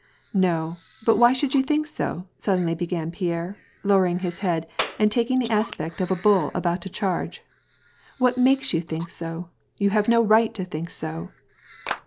" No, but why should you think so ?" suddenly began Pierre, lowering his head and taking the aspect of a bull about to charge. *' What makes you think so? You have no right to think so